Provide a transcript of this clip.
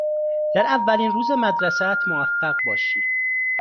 در اولین روز مدرسه ات موفق باشی.